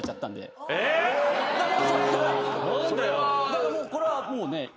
だからこれはもうね。